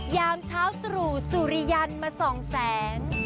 ยามเท้าสรุสุริยันทร์มาสองแสง